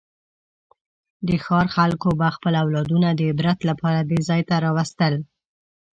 د ښار خلکو به خپل اولادونه د عبرت لپاره دې ځای ته راوستل.